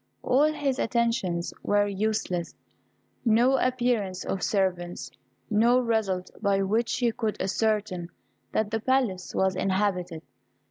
All his attentions were useless: no appearance of servants, no result by which he could ascertain that the palace was inhabited.